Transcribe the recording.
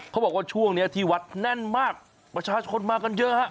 เขาบอกว่าช่วงนี้ที่วัดแน่นมากประชาชนมากันเยอะฮะ